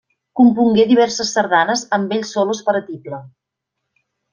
Compongué diverses sardanes amb bells solos per a tible.